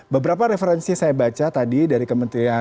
beberapa referensi saya baca tadi dari kementerian